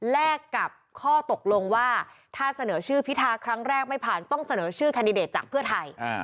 แลกกับข้อตกลงว่าถ้าเสนอชื่อพิทาครั้งแรกไม่ผ่านต้องเสนอชื่อแคนดิเดตจากเพื่อไทย